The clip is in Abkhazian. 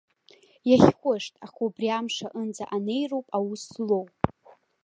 Иахьхәышт, аха убри амш аҟынӡа анеироуп аус злоу.